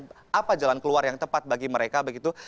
dan apa jalan keluar yang tepat bagi mereka begitu